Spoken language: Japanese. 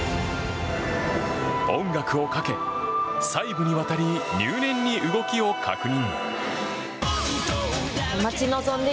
音楽をかけ、細部にわたり入念に動きを確認。